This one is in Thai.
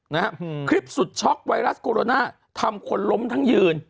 นะฮะคลิปสุดช็อกไวรัสโคโรนาทำคนล้มทั้งยืน